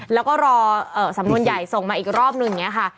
แล้วก็รอสำนวนใหญ่ส่งมาอีกรอบนึงอย่างนี้ค่ะ